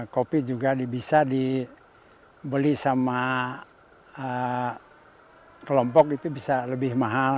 kopi juga bisa dibeli sama kelompok itu bisa lebih mahal